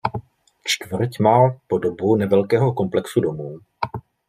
Čtvrť má podobu nevelkého komplexu domů.